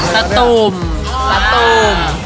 สตูม